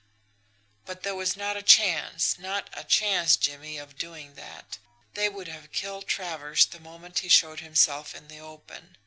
"But there was not a chance, not a chance, Jimmie, of doing that they would have killed Travers the moment he showed himself in the open.